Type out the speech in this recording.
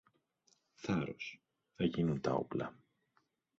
Θάρρος! Θα γίνουν τα όπλα.